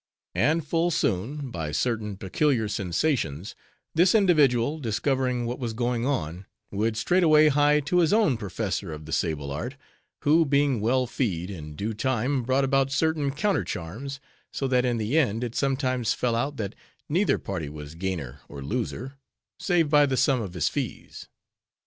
And full soon, by certain peculiar sensations, this individual, discovering what was going on, would straightway hie to his own professor of the sable art, who, being well feed, in due time brought about certain counter charms, so that in the end it sometimes fell out that neither party was gainer or loser, save by the sum of his fees.